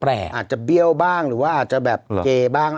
อาจจะเบี้ยวบ้างหรือว่าอาจจะแบบเกบ้าง